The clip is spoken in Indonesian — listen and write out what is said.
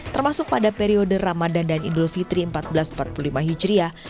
termasuk pada periode ramadan dan idul fitri seribu empat ratus empat puluh lima hijriah